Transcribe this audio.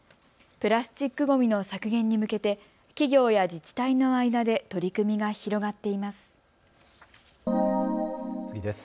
プラスチックごみの削減に向けて企業や自治体の間で取り組みが広がっています。